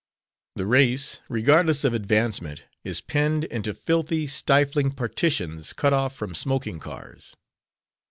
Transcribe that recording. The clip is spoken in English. The race regardless of advancement is penned into filthy, stifling partitions cut off from smoking cars.